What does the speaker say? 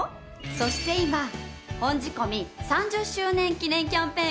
そして今本仕込３０周年記念キャンペーンを実施中！